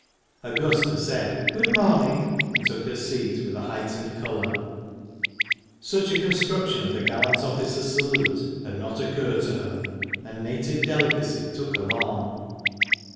Augusta said " Good morning," and took her seat with a heightened colour. Such a construction of the gallant officer's salute had not occurred to her, and native delicacy took alarm.